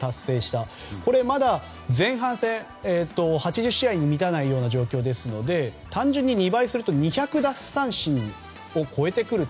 まだこれは前半戦８０試合に満たないような状況ですので単純に２倍すると２００奪三振を超えてくる。